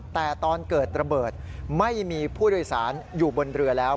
แต่ตอนเกิดระเบิดไม่มีผู้โดยสารอยู่บนเรือแล้ว